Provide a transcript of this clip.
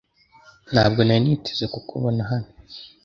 Ntabwo nari niteze kukubona hano .